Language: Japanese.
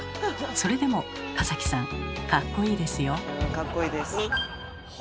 それでも田崎さんかっこいいですよ。